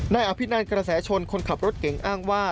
นายอภินันกระแสชนคนขับรถเก่งอ้างว่า